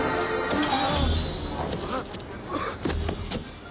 うわ！